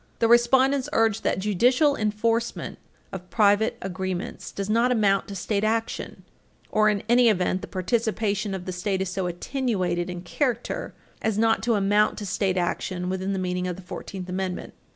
The respondents urge that judicial enforcement of private agreements does not amount to state action, or, in any event, the participation of the State is so attenuated in character as not to amount to state action within the meaning of the Fourteenth Amendment.